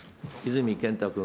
泉健太君。